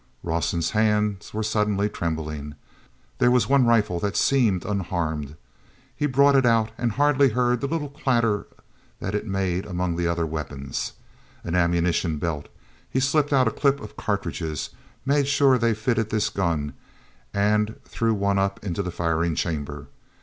Rawson's hands were suddenly trembling. There was one rifle that seemed unharmed; he brought it out, and hardly heard the little clatter that it made among the other weapons. An ammunition belt—he slipped out a clip of cartridges, made sure they fitted his gun, and threw one up into the firing chamber.